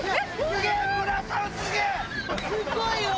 すごいよ！